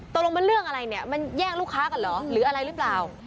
ตกลงมันเรื่องอะไรเนี่ยมันแย่งลูกค้ากันเหรอหรืออะไรหรือเปล่า